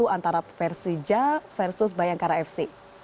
antara persija versus bayangkara fc